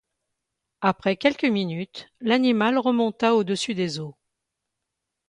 Après quelques minutes, l’animal remonta au-dessus des eaux.